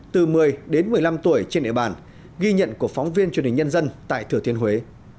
từ một mươi đến một mươi năm tuổi trên địa bàn ghi nhận của phóng viên truyền hình nhân dân tại thừa thiên huế